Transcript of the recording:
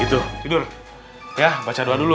tidur ya baca doa dulu